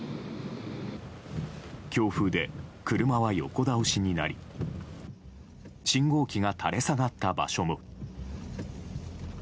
強風で車は横倒しになり信号機が垂れ下がった場所も。